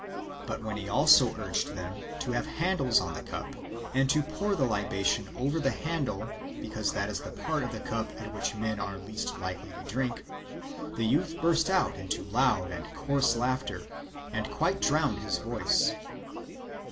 _But when he also urged them to have handles on the cup, and to pour the libation over the handle, because that is the part of the cup at which men are least likely to drink, the youth burst out into loud and coarse laughter, and quite drowned. his voice.